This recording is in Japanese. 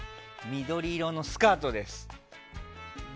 緑色のスカート。